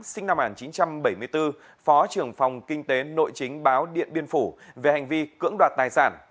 sinh năm một nghìn chín trăm bảy mươi bốn phó trưởng phòng kinh tế nội chính báo điện biên phủ về hành vi cưỡng đoạt tài sản